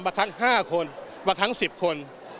บางครั้ง๕คนบางครั้ง๑๐คน